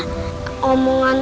kakek aku jangan meninggal